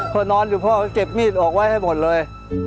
นอนอยู่พ่อก็เก็บมีดออกไว้ให้หมดเลย